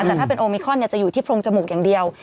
แต่ถ้าเป็นโอมิคอนจะอยู่ที่โรงจมูกอย่างเดียว